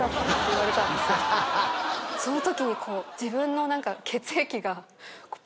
そのときに自分の。